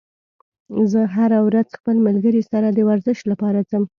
زه هره ورځ خپل ملګري سره د ورزش لپاره ځم